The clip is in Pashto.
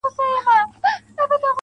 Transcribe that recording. o يې ياره شرموه مي مه ته هرڅه لرې ياره.